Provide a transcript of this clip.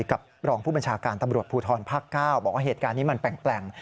กับรองผู้บัญชาการตำรวจภูทรภาค๙บอกว่าเหตุการณ์นี้มันแปลง